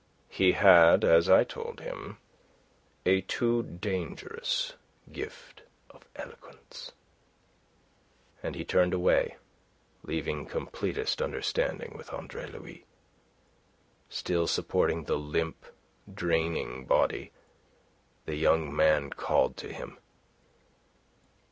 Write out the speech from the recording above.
"He had, as I told him, a too dangerous gift of eloquence." And he turned away, leaving completest understanding with Andre Louis. Still supporting the limp, draining body, the young man called to him.